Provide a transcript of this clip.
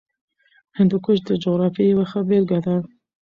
هندوکش د جغرافیې یوه ښه بېلګه ده.